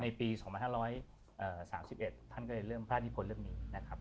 ในปี๒๕๓๑ท่านก็เรียนเรื่องพระราชนิพลเรื่องนี้